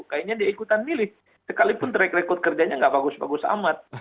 kayaknya dia ikutan milih sekalipun track record kerjanya nggak bagus bagus amat